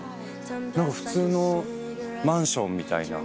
何か普通のマンションみたいな。